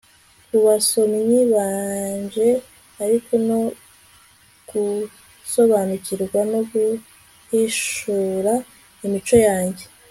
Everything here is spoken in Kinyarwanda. kubasomyi banje ariko no gusobanukirwa no guhishura imico yanjye